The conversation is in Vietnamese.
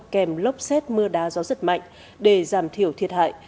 kèm lốc xét mưa đá gió giật mạnh để giảm thiểu thiệt hại